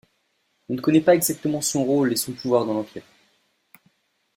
On ne connaît pas exactement son rôle et son pouvoir dans l'empire.